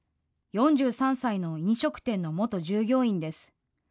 ４３歳の飲食店の元従業員です。